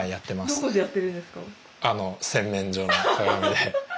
どこでやってるんですか？